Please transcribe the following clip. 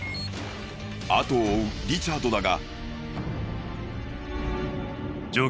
あとを追うリチャードだが。